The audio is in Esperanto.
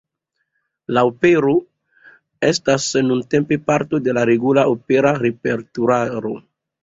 La opero estas nuntempe parto de la regula opera repertuaro.